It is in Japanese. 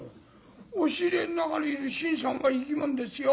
押し入れの中に新さんがいるんですよ。